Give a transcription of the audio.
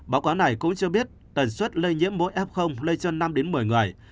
báo cáo này cũng cho biết tần suất lây nhiễm mỗi f lây cho năm một mươi người